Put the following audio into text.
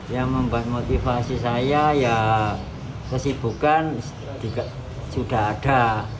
yang membuat motivasi saya ya kesibukan sudah ada